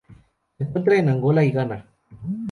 Se encuentra en Angola y Ghana.